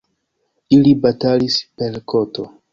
Ili batalis per koto.